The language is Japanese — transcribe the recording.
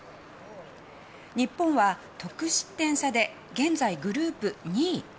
日本は得失点差で現在グループ２位。